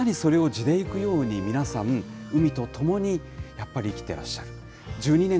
まさにそれをじでいくように、皆さん、海とともに、やっぱり生きていらっしゃる。